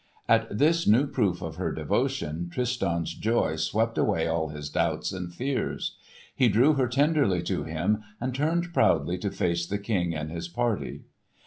At this new proof of her devotion Tristan's joy swept away all his doubts and fears. He drew her tenderly to him and turned proudly to face the King and his party.